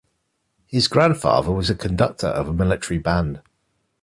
His grandfather was conductor of a military band.